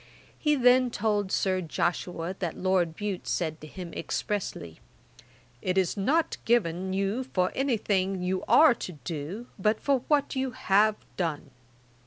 He then told Sir Joshua that Lord Bute said to him expressly, 'It is not given you for anything you are to do, but for what you have done.'